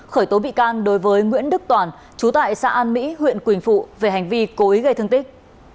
khởi tố bị can đối với nguyễn đức toàn chú tại xã an mỹ huyện quỳnh phụ về hành vi cố ý gây thương tích